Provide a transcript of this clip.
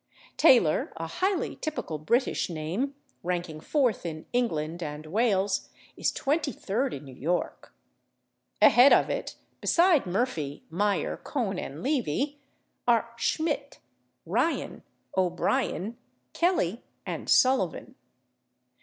/Taylor/, a highly typical British name, ranking fourth in England and Wales, is twenty third in New York. Ahead of it, beside /Murphy/, /Meyer/, /Cohen/ and /Levy/, are /Schmidt/, /Ryan/, /O'Brien/, /Kelly/ and /Sullivan